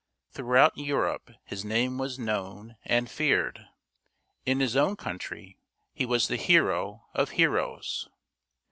Throughout Europe his name was known and feared ; in his own country he was the hero of heroes.